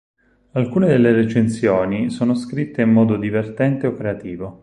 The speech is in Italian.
Alcune delle recensioni sono scritte in modo divertente o creativo.